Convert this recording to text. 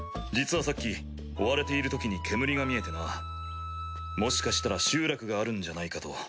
実はさっき追われているときに煙が見えてなもしかしたら集落があるんじゃないかと。